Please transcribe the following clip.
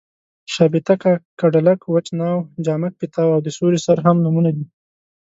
شابېتکه، کډلک، وچ ناو، جامک پېتاو او د سیوري سر هم نومونه دي.